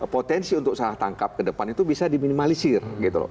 potensi untuk salah tangkap ke depan itu bisa diminimalisir gitu loh